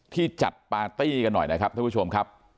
ที่จัดปาร์ตี้กันหน่อยนะครับท่านผู้ชมครับ